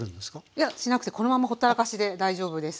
いやしなくてこのまんまほったらかしで大丈夫です。